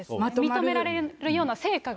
認められるような成果が。